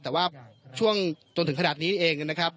แต่ว่าช่วงจนถึงขนาดนี้เองนะครับ